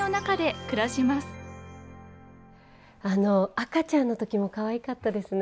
赤ちゃんの時もかわいかったですね。